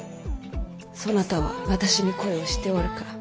そなたは私に恋をしておるか。